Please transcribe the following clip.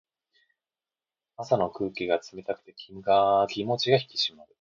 朝の空気が冷たくて気持ちが引き締まる。